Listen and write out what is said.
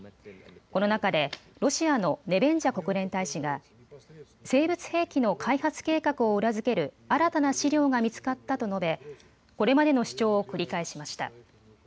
この中でロシアのネベンジャ国連大使が生物兵器の開発計画を裏付ける新たな資料が見つかったと述べ、これまでの主張を繰り返しました。